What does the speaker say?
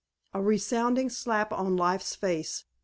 A resounding slap on Life's face.